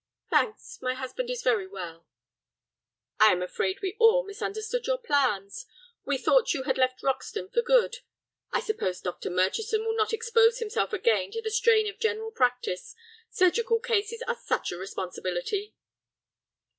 "Thanks. My husband is very well." "I am afraid we all misunderstood your plans. We thought you had left Roxton for good. I suppose Dr. Murchison will not expose himself again to the strain of general practice. Surgical cases are such a responsibility."